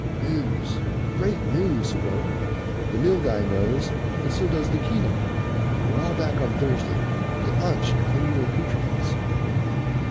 "News! great news!" he wrote. "The Nilghai knows, and so does the Keneu. We're all back on Thursday. Get lunch and clean your accoutrements."